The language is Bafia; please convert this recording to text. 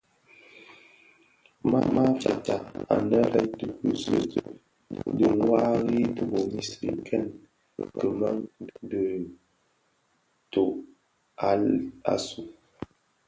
Ma fitsa anë a dhi bisi bi ňwari tibomis nken kimèn dhi toilag asu,